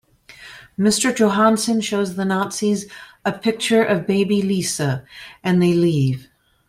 Mr. Johansen shows the Nazis a picture of baby Lise, and they leave.